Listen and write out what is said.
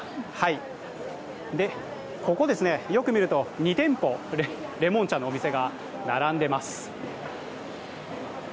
ここ、よく見ると２店舗、レモン茶のお店が並んでいます。